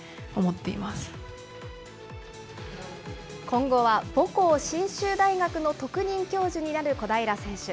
今後は母校、信州大学の特任教授になる小平選手。